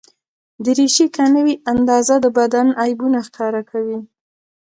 دریشي که نه وي اندازه، د بدن عیبونه ښکاره کوي.